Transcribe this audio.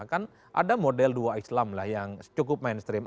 kan ada model dua islam lah yang cukup mainstream